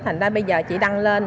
thành ra bây giờ chị đăng lên